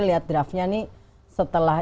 lihat draftnya ini setelah